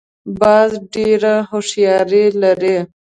باز ډېره هوښیاري لري